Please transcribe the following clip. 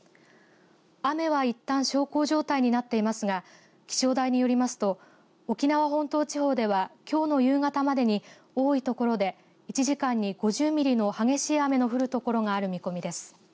雨は、いったん小康状態になっていますが気象台によりますと沖縄本島地方ではきょうの夕方までに多い所で１時間に５０ミリの激しい雨の降る所がある見込みです。